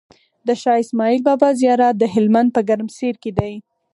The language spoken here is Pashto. د شاهاسماعيل بابا زيارت دهلمند په ګرمسير کی دی